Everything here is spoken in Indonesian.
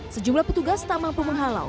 sejumlah petugas tak mampu menghalau